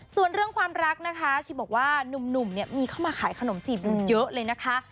ส่วนเรื่องความรักนะคะชิมบอกว่าหนุ่มเนี่ยมีเข้ามาขายขนมจีบอยู่เยอะเลยนะคะ